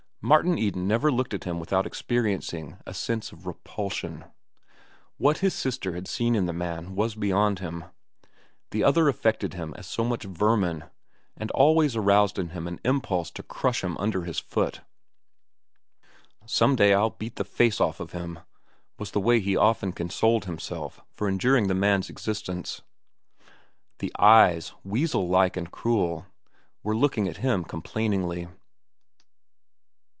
Martin Eden never looked at him without experiencing a sense of repulsion. What his sister had seen in the man was beyond him. The other affected him as so much vermin, and always aroused in him an impulse to crush him under his foot. "Some day I'll beat the face off of him," was the way he often consoled himself for enduring the man's existence. The eyes, weasel like and cruel, were looking at him complainingly.